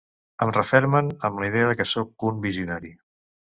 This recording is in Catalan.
Em refermen en la idea que sóc un visionari.